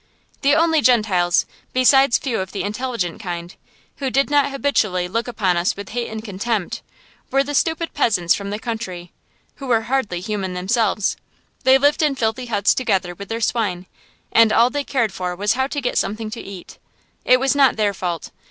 The only Gentiles, besides the few of the intelligent kind, who did not habitually look upon us with hate and contempt, were the stupid peasants from the country, who were hardly human themselves. They lived in filthy huts together with their swine, and all they cared for was how to get something to eat. It was not their fault.